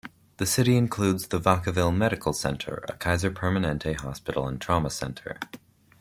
The city includes the Vacaville Medical Center a Kaiser Permanente hospital and trauma center.